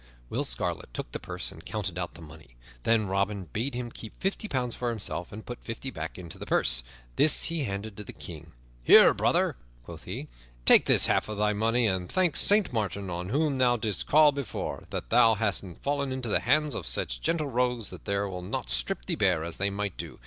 Will Scarlet took the purse and counted out the money. Then Robin bade him keep fifty pounds for themselves, and put fifty back into the purse. This he handed to the King. "Here, brother," quoth he, "take this half of thy money, and thank Saint Martin, on whom thou didst call before, that thou hast fallen into the hands of such gentle rogues that they will not strip thee bare, as they might do.